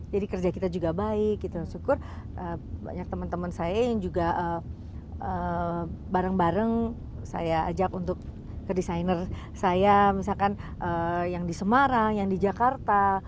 jadi kerja kita juga baik gitu dan syukur banyak temen temen saya yang juga bareng bareng saya ajak untuk ke designer saya misalkan yang di semarang yang di jakarta